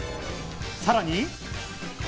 さらに。